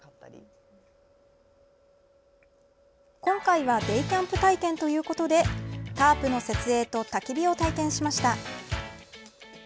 今回はデイキャンプ体験ということでタープの設営とたき火を体験しました。